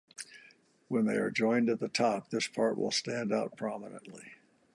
When they are joined at the top, this part will stand out prominently.